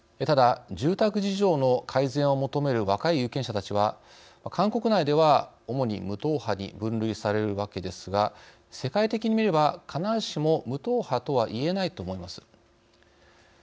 ただ、住宅事情の改善を求める若い有権者たちは韓国内では主に無党派に分類されるわけですが世界的に見れば必ずしも無党派とはいえないと思います。